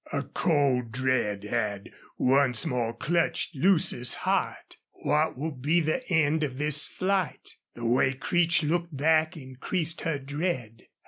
A cold dread had once more clutched Lucy's heart. What would be the end of this flight? The way Creech looked back increased her dread.